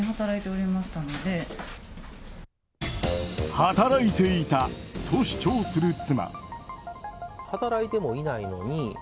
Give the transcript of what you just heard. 働いていたと主張する妻。